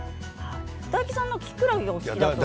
大吉さん、きくらげがお好きとか。